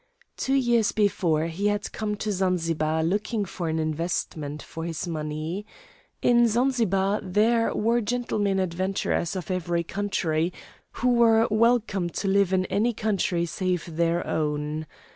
Two years before he had come to Zanzibar looking for an investment for his money. In Zanzibar there were gentlemen adventurers of every country, who were welcome to live in any country save their own.